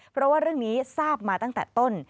เพราะว่าเรื่องนี้ทราบมาตั้งแต่ต้น